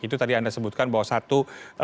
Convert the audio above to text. itu tadi anda sebutkan bahwa satu